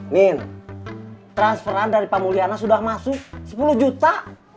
min transferan dari pamuliana sudah masuk sepuluh juta